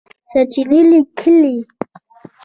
سرچېنې لیکلي